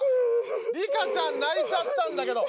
リカちゃん泣いちゃったんだけど。